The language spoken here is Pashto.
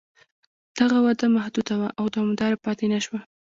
دغه وده محدوده وه او دوامداره پاتې نه شوه.